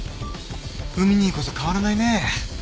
海兄こそ変わらないね。